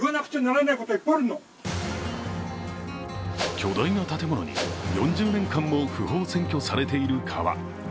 巨大な建物に、４０年間も不法占拠されている川。